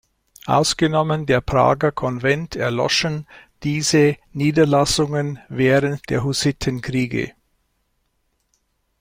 Ausgenommen der Prager Konvent erloschen diese Niederlassungen während der Hussitenkriege.